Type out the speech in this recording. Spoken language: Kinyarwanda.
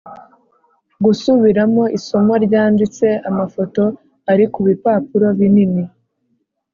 Gusubiramo isomo ryanditse amafoto ari ku bipapuro binini